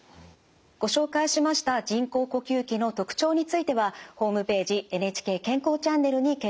ご紹介しました人工呼吸器の特徴についてはホームページ「ＮＨＫ健康チャンネル」に掲載されています。